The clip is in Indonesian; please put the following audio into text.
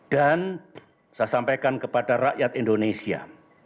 dan saya sampaikan kepada rakyat indonesia